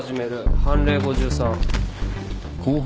判例５４。